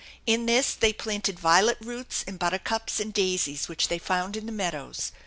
In this they planted violet roots and buttercups and daisies which they found in the meadows.